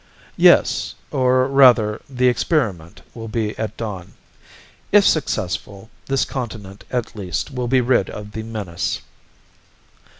"Yes. Or rather, the experiment will be at dawn. If successful, this continent at least will be rid of the menace."